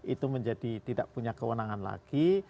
itu menjadi tidak punya kewenangan lagi